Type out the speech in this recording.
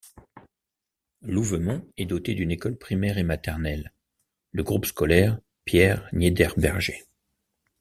Louvemont est dotée d'une école primaire et maternelle, le groupe scolaire Pierre Niederberger.